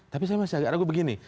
tapi saya masih agak ragu begini